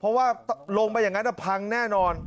เพราะว่าลงไปอย่างนั้นพังแน่นอน